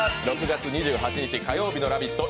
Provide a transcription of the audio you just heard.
６月２８日火曜日の「ラヴィット！」